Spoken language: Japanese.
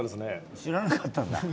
知らなかったの？